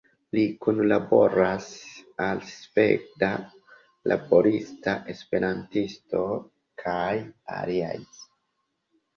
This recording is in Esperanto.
Li kunlaboras al Sveda Laborista Esperantisto kaj aliaj.